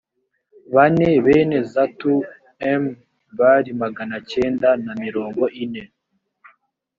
bane bene zatu m bari magana cyenda na mirongo ine